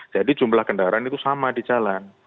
jadi jumlah kendaraan itu sama di jalan